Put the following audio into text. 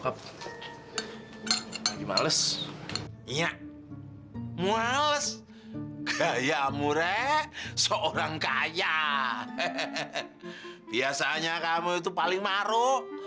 kayaknya teman teman lu tuh paling maruk